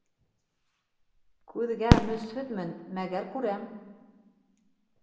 Күҙгә мөсһөҙмөн, мәгәр күрәм.